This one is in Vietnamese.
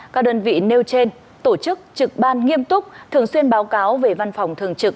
các đơn vị nêu trên tổ chức trực ban nghiêm túc thường xuyên báo cáo về văn phòng thường trực